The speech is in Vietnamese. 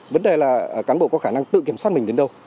vấn đề là cán bộ có khả năng tự kiểm soát mình đến đâu